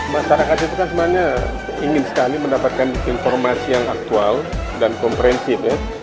masyarakat itu kan sebenarnya ingin sekali mendapatkan informasi yang aktual dan komprehensif ya